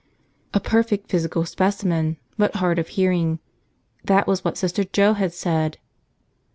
A perfect physical specimen but hard of hearing, that was what Sister Joe had said!